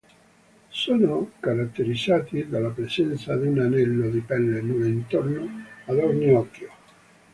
Sono caratterizzati dalla presenza di un anello di pelle nuda intorno ad ogni occhio.